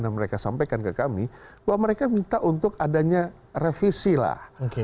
mereka sampaikan ke kami bahwa mereka minta untuk adanya revisi lah